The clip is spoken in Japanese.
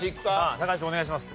高橋お願いします。